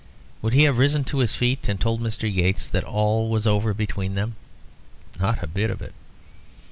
Would he have risen to his feet and told Mr. Yeats that all was over between them? Not a bit of it.